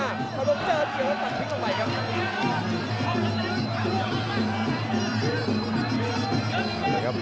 เราก็ตรงทางขวานี่เดินสองทีกลงไปครับ